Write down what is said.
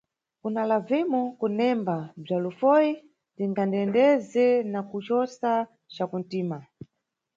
Kuna Lavimó, kunemba bzwa lufoyi tingandendeze na kucosa ca kuntima.